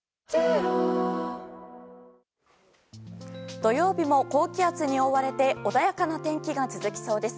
土曜日も、高気圧に覆われて穏やかな天気が続きそうです。